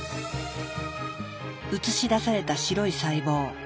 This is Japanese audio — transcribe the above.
映し出された白い細胞。